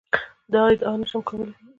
دا ادعا نه شم کولای.